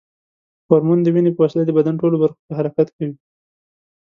هورمون د وینې په وسیله د بدن ټولو برخو کې حرکت کوي.